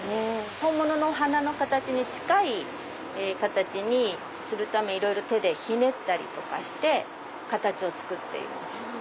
本物のお花に近い形にするために手でひねったりとかして形を作っています。